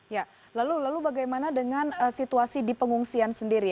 ya lalu lalu bagaimana dengan situasi di pengungsian sendiri